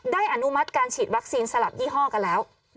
อนุมัติการฉีดวัคซีนสลับยี่ห้อกันแล้ว